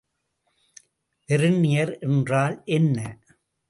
Vernier என்றால் என்ன?